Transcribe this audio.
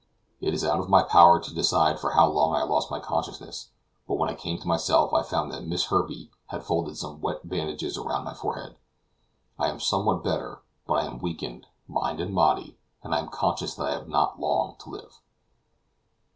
It is out of my power to decide for how long I lost my consciousness; but when I came to myself I found that Miss Herbey had folded some wet bandages around my forehead. I am somewhat better; but I am weakened, mind and body, and I am conscious that I have not long to live.